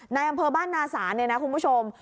ในอำเภอบ้านนาศาลเนี่ยนะคุณผู้ชม